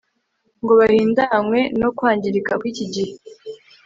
ngo bahindanywe no kwangirika kw'iki gihe